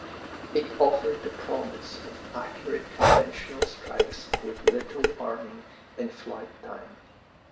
It offered the promise of accurate conventional strikes with little warning and flight time.